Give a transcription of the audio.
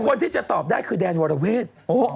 คนที่จะตอบได้คือแดนวรเวท